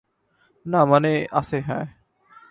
না, মানে, আছে, হ্যাঁ।